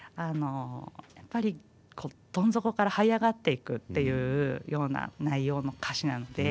やっぱりこうどん底からはい上がっていくっていうような内容の歌詞なので。